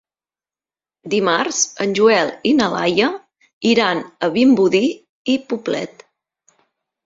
Dimarts en Joel i na Laia iran a Vimbodí i Poblet.